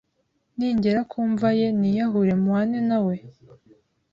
ningera ku mva ye niyahure mpwane na we!